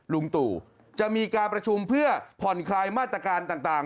ลุงตู่จะมีการประชุมเพื่อผ่อนคลายมาตรการต่าง